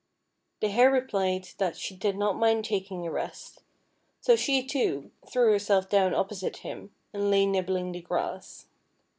The Hare replied that she did not mind taking a rest. So she, too, threw herself down opposite him, and lay nibbling the grass.